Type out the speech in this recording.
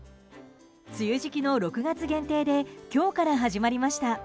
梅雨時期の６月限定で今日から始まりました。